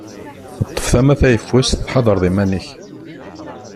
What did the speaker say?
Ṭṭef tama tayfust, tḥadreḍ iman-ik.